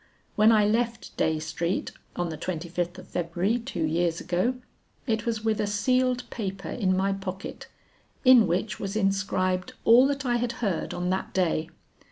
When I left Dey Street on the twenty fifth of February two years ago, it was with a sealed paper in my pocket, in which was inscribed all that I had heard on that day.